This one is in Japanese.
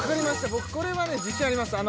僕これはね自信あります